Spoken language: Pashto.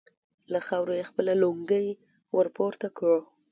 له خاورو يې خپله لونګۍ ور پورته کړه.